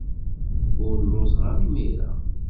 Ur lluẓeɣ ara imir-a.